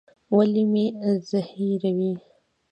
ولي مي زهيروې؟